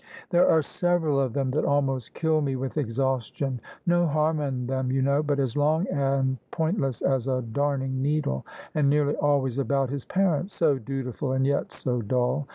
"There are several of them that almost kill me with exhaustion. No harm in them, you know, but as long and pointless as a darning needle. And nearly always about his parents; so dutiful and yet so dull!